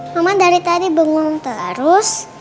mama dari tadi bengong terus